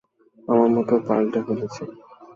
আমার মত পাল্টে ফেলেছি।